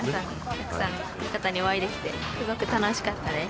たくさんの方にお会いできてすごく楽しかったです。